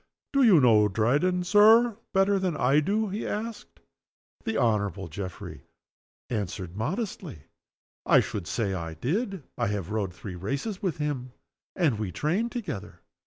"Do you know Dryden, Sir, better than I do?" he asked. The Honorable Geoffrey answered, modestly, "I should say I did. I have rowed three races with him, and we trained together."